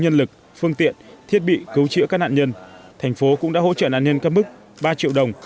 nhân lực phương tiện thiết bị cứu chữa các nạn nhân thành phố cũng đã hỗ trợ nạn nhân các mức ba triệu đồng